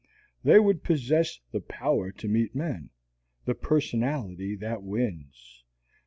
They would possess the Power to Meet Men, the Personality that Wins.